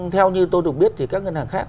theo như tôi được biết thì các ngân hàng khác